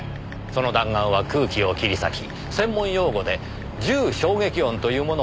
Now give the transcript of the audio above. その弾丸は空気を切り裂き専門用語で銃衝撃音というものを発生させます。